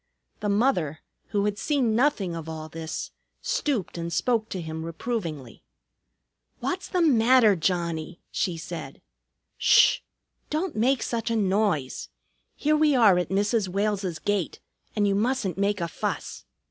The mother, who had seen nothing of all this, stooped and spoke to him reprovingly. "What's the matter, Johnnie?" she said. "Sh! Don't make such a noise. Here we are at Mrs. Wales's gate, and you mustn't make a fuss.